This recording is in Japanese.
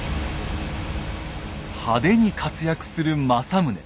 派手に活躍する政宗。